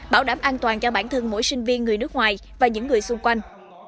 bảo đảm an toàn cho bản thân mỗi sinh viên người nước ngoài và những người xung quanh